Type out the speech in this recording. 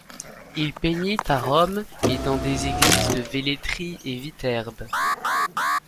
Il peignit à Rome et dans des églises de Velletri et Viterbe.